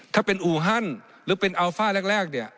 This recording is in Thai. ถ้าเป็นอูฮันหรือเป็นอัลฟ่าแรกเนี่ย